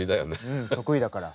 うん得意だから。